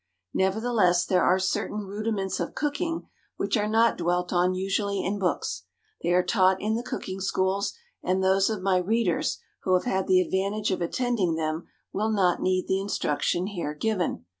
Nevertheless there are certain rudiments of cooking which are not dwelt on usually in books. They are taught in the cooking schools, and those of my readers who have had the advantage of attending them will not need the instruction here given.